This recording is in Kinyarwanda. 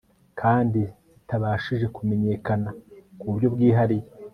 kandi zitabashije kumenyekana ku buryo bwihariye